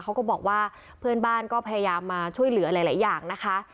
เขาก็บอกว่าเพื่อนบ้านก็พยายามมาช่วยเหลือหลายอย่างนะคะ